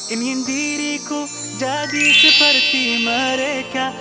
ingin diriku jadi seperti mereka